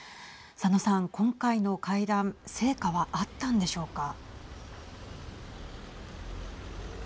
佐野さん、今回の会談成果はあったんでしょうか。